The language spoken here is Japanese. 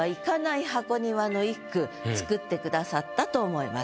作ってくださったと思います。